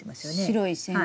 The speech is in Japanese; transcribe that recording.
白い線が。